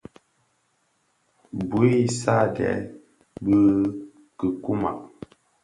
Bu i sààdee bi kikumàg.